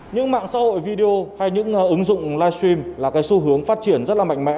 những mạng xã hội video hay những ứng dụng livestream là cái xu hướng phát triển rất là mạnh mẽ